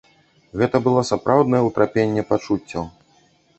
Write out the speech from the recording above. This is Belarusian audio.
Гэта было сапраўднае ўтрапенне пачуццяў.